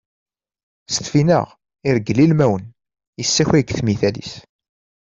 S Tfinaɣ irgel ilmawen, yessakay deg tmital-is.